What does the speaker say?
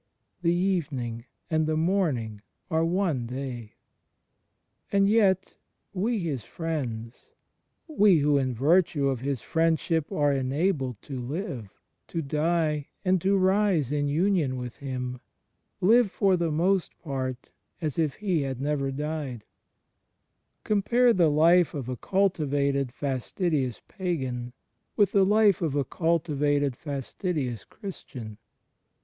"The evening and the morning are one day." ^ Gal. ii : ao. ' Col. i : 24. 148 THE FRIENDSHIP OF CHRIST And yet, we His friends — we, who in virtue of Friendship axe enabled to live, to die and to rise in union with Him — live for the most part as if He had never died. Compare the life of a cultivated fastidious pagan with the life of a cultivated fastidious Christian.